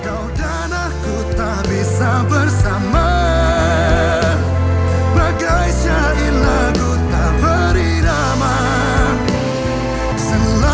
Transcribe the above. aku akan menerima kesalahanmu